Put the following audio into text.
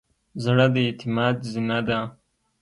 زړه د اعتماد زینه ده.